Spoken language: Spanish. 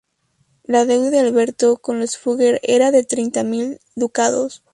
La deuda de Alberto con los Fugger era de treinta mil ducados.